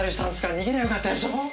逃げりゃよかったでしょ。